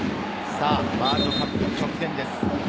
ワールドカップ直前です。